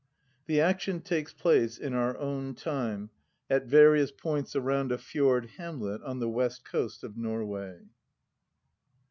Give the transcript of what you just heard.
The action takes 'place in our own time, at various points around a fjord Jiamlet on the west coast of Norway.